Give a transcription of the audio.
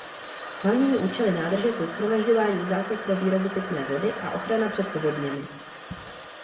Hlavními účely nádrže jsou shromažďování zásob pro výrobu pitné vody a ochrana před povodněmi.